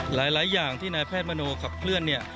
หลายอย่างที่นายแพทย์มโนขับเคลื่อนเนี่ย